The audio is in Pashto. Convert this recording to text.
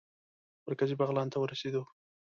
مرکزي بغلان ته ورسېدو.